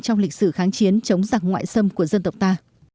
trong lịch sử kháng chiến chống giặc ngoại xâm của dân tộc ta